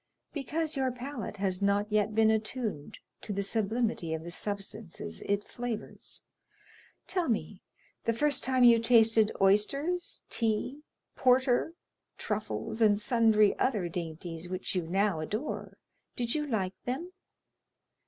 "Because your palate his not yet been attuned to the sublimity of the substances it flavors. Tell me, the first time you tasted oysters, tea, porter, truffles, and sundry other dainties which you now adore, did you like them?